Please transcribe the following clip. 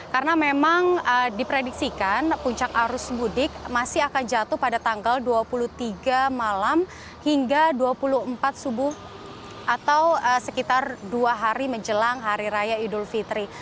karena memang diprediksikan puncak arus mudik masih akan jatuh pada tanggal dua puluh tiga malam hingga dua puluh empat subuh atau sekitar dua hari menjelang hari raya idul fitri